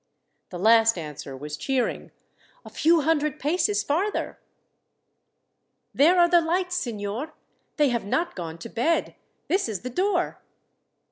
The last answer was cheering: "A few hundred paces farther." "There are the lights, signor. They have not gone to bed. This is the door."